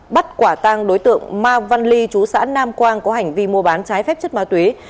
bắt quả tang đối tượng ma văn ly chú xã nam quang có hành vi mua bán trái phép chất ma túy